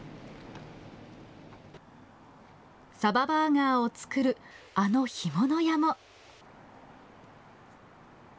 さばバーガーを作るあの干物屋も。